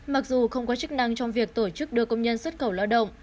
mặc dù không có chức năng trong việc tổ chức đưa công nhân xuất khẩu lao động